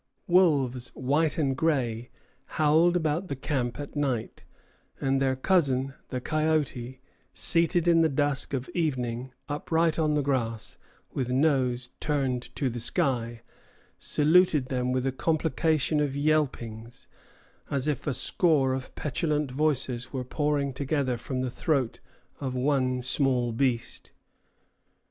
Wolves, white and gray, howled about the camp at night, and their cousin, the coyote, seated in the dusk of evening upright on the grass, with nose turned to the sky, saluted them with a complication of yelpings, as if a score of petulant voices were pouring together from the throat of one small beast.